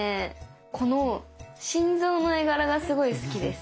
この心臓の絵柄がすごい好きです。